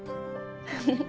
フフフ。